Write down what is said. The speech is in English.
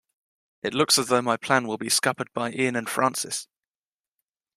It looks as though my plan will be scuppered by Ian and Francis.